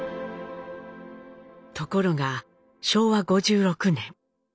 ところが昭和５６年。